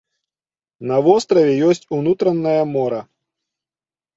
На востраве ёсць унутранае мора.